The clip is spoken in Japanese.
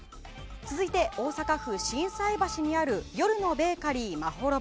続いて、大阪府心斎橋にある夜のベーカリーＭＡＨＯＲＯＢＡ。